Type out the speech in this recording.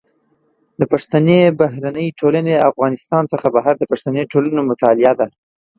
د پښتني بهرنۍ ټولنه د افغانستان څخه بهر د پښتني ټولنو مطالعه ده.